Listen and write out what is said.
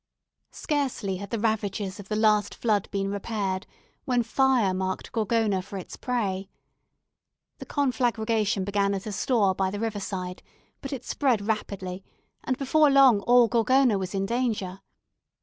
Scarcely had the ravages of the last flood been repaired when fire marked Gorgona for its prey. The conflagration began at a store by the river side; but it spread rapidly, and before long all Gorgona was in danger.